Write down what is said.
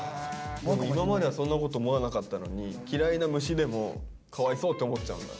今まではそんなこと思わなかったのに嫌いな虫でもかわいそうって思っちゃうんだ。